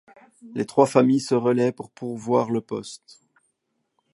Les trois familles se relaient pour pourvoir le poste.